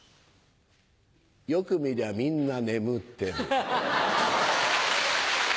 よく見りゃみんな眠ってる。